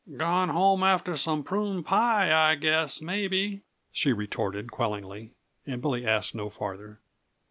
"Gone home after some prune pie, I guess maybe," she retorted quellingly, and Billy asked no farther.